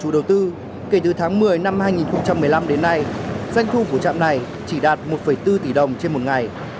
doanh thu của trạm này chỉ đạt một bốn tỷ đồng trên một ngày